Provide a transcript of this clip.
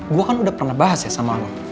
gue kan udah pernah bahas ya sama allah